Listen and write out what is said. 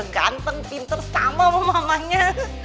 ganten pinter sama sama mamanya